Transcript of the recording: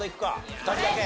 ２人だけ。